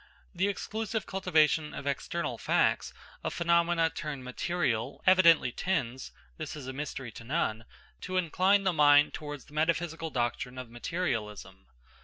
The exclusive cultivation of external facts, of phenomena termed material, evidently tends this is a mystery to none to incline the mind towards the metaphysical doctrine of materialism.